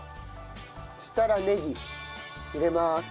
そしたらねぎ入れます。